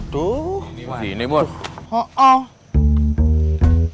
gua ga harus tinggal diam